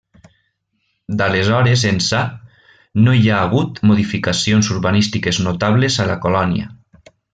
D'aleshores ençà no hi ha hagut modificacions urbanístiques notables a la colònia.